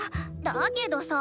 だけどさ。